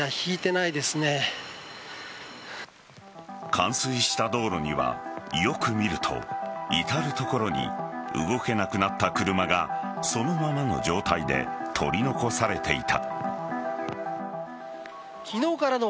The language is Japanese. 冠水した道路には、よく見ると至る所に動けなくなった車がそのままの状態で取り残されていた。